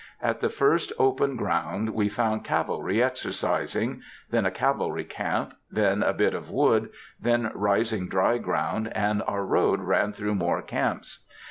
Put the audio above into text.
At the first open ground we found cavalry exercising; then a cavalry camp, then a bit of wood, then rising dry ground, and our road ran through more camps.